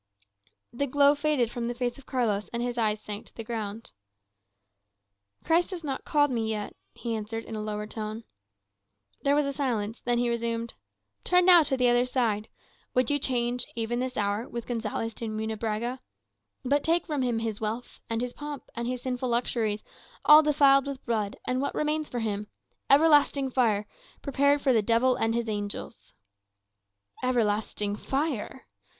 The glow faded from the face of Carlos, and his eyes sank to the ground. "Christ has not called me yet," he answered in a lower tone. There was a silence; then he resumed: "Turn now to the other side. Would you change, even this hour, with Gonzales de Munebrãga? But take him from his wealth, and his pomp, and his sinful luxuries, all defiled with blood, and what remains for him? Everlasting fire, prepared for the devil and his angels." "Everlasting fire!"